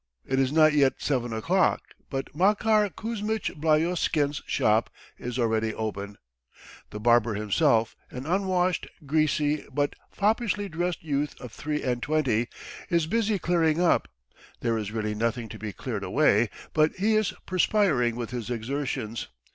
It is not yet seven o'clock, but Makar Kuzmitch Blyostken's shop is already open. The barber himself, an unwashed, greasy, but foppishly dressed youth of three and twenty, is busy clearing up; there is really nothing to be cleared away, but he is perspiring with his exertions.